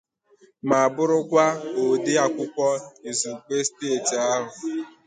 ma bụrụkwa ode akwụkwọ izugbe steeti ahụ